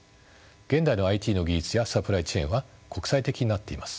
現代のＩＴの技術やサプライチェーンは国際的になっています。